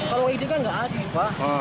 kalau ide kan nggak adil pak